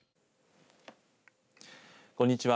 こんにちは。